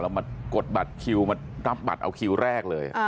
เรามากดบัตรชีวิตมารับบัตรเอาชีวิตแรกเลย